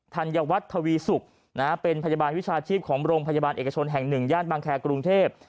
ธัญวัฒน์ทวีสุกเป็นพยาบาลวิชาชีพของโรงพยาบาลเอกชนแห่ง๑ย่านบางแครกรุงเทพ